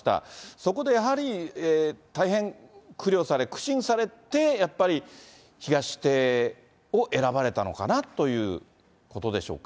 そこでやはり、大変苦慮され、苦心されて、やっぱり、東邸を選ばれたのかなということでしょうか。